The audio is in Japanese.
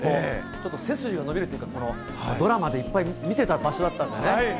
ちょっと背筋が伸びるというか、ドラマでいっぱい見てた場所なんでね。